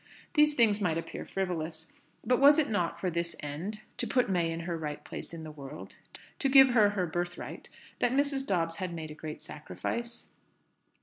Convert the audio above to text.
These things might appear frivolous; but was it not for this end, to put May in her right place in the world, to give her her birthright, that Mrs. Dobbs had made a great sacrifice?